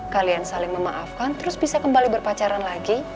kalian saling memaafkan terus bisa kembali berpacaran lagi